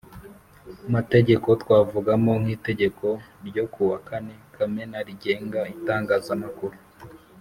mategeko twavugamo nk Itegeko n ryo ku wa kane kamena rigenga itangazamakuru